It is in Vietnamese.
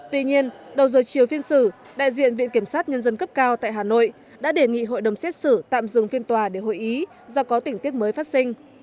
tuy nhiên đầu giờ chiều phiên xử đại diện viện kiểm sát nhân dân cấp cao tại hà nội đã đề nghị hội đồng xét xử tạm dừng phiên tòa để hội ý do có tình tiết mới phát sinh